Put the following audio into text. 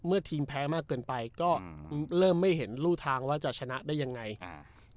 ทีมแพ้มากเกินไปก็เริ่มไม่เห็นรูทางว่าจะชนะได้ยังไงอ่า